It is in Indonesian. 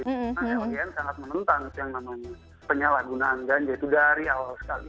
karena lbn sangat menentang yang namanya penyalahgunaan ganja itu dari awal sekali